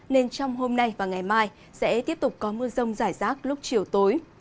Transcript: nên trong hôm nay và ngày mai sẽ tiếp tục có mưa rông rải rác lúc chiều tối